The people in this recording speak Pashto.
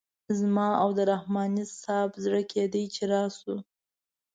زما او د رحماني صیب زړه کیده چې راشو.